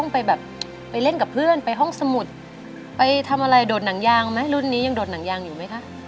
ไปเล่นหรือไหม